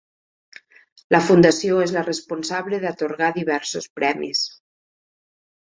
La Fundació és la responsable d'atorgar diversos premis.